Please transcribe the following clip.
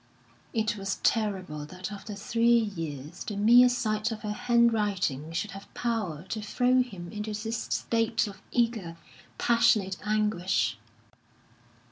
It was terrible that after three years the mere sight of her handwriting should have power to throw him into this state of eager, passionate anguish.